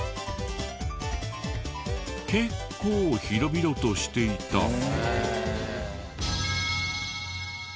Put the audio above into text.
結構広々としていた。